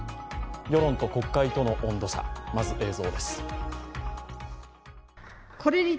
世論と国会との温度差、まず映像です。